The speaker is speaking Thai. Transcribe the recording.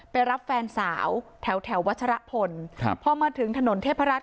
ไปรับแฟนสาวแถวแถววัชรพลครับพอมาถึงถนนเทพรัฐ